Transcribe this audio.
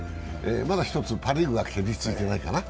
まだ１つパ・リーグが蹴りついてないかな。